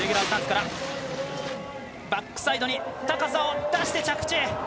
バックサイドに高さを出して着地。